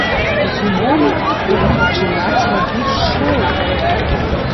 Безумоўна, трэба пачынаць рабіць шоў!